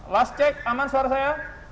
last cek aman sarah saya